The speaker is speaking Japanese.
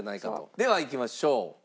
ではいきましょう。